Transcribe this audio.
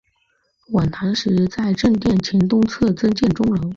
晚唐时在正殿前东侧增建钟楼。